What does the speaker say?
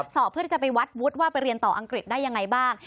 สอบเพื่อที่จะไปวัดวุฒิว่าไปเรียนต่ออังกฤษได้ยังไงบ้าง